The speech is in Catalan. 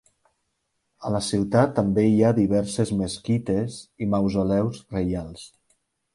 A la ciutat també hi ha diverses mesquites i mausoleus reials.